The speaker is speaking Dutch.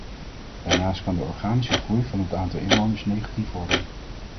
Daarnaast kan de organische groei van het aantal inwoners negatief worden.